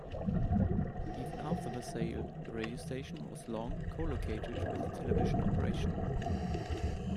Even after the sale, the radio station was long co-located with the television operation.